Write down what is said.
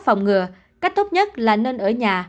phòng ngừa cách tốt nhất là nên ở nhà